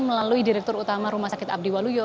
melalui direktur utama rumah sakit abdi waluyo